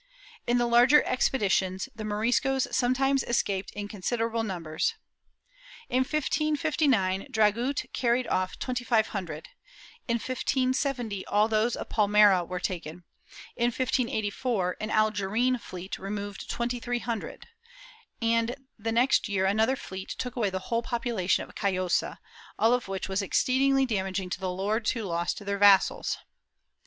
* In the larger expeditions, the Moriscos sometimes escaped in considerable numbers. In 1559, Dragut carried off twenty five hundred; in 1570, all those of Palmera were taken; in 1584, an Algerine fleet removed twenty three hundred, and the next year another fleet took away the whole population of Callosa, all of which was exceed ingly damaging to the lords who lost their vassals.'